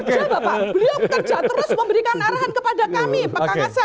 kerja bapak beliau bekerja terus memberikan arahan kepada kami pak kang kasem